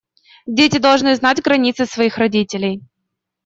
Дети должны знать границы своих родителей.